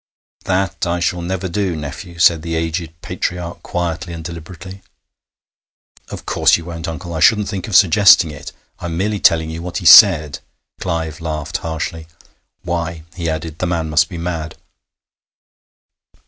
"' 'That I shall never do, nephew,' said the aged patriarch quietly and deliberately. 'Of course you won't, uncle. I shouldn't think of suggesting it. I'm merely telling you what he said.' Clive laughed harshly. 'Why,' he added, 'the man must be mad!'